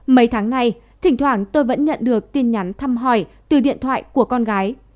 mấy tháng nay thỉnh thoảng tôi vẫn nhận được tin nhắn thăm hỏi từ điện thoại của con gái